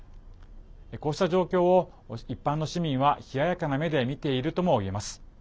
こうした状況を、一般の市民は冷ややかな目で見ているともいえます。